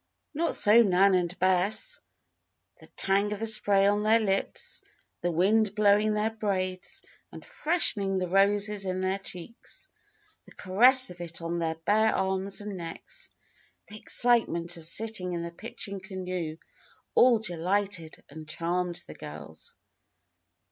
Not so Nan and Bess. The tang of the spray on their lips, the wind blowing their braids and freshening the roses in their cheeks, the caress of it on their bare arms and necks, the excitement of sitting in the pitching canoe all delighted and charmed the girls.